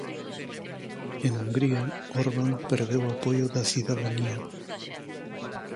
En Hungría, Orban perdeu apoio da cidadanía.